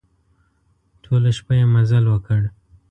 ټوله شپه يې مزل وکړ.